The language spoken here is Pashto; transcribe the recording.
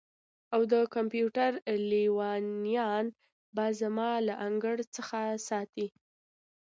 او د کمپیوټر لیونیان به زما له انګړ څخه ساتئ